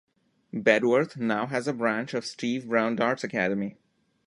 Bedworth now has a branch of Steve Brown Darts Academy.